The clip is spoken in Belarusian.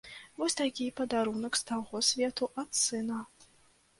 Вось такі падарунак з таго свету ад сына.